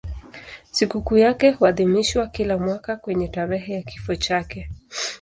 Sikukuu yake huadhimishwa kila mwaka kwenye tarehe ya kifo chake.